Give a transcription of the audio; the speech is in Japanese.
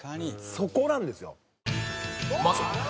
そこなんですよ。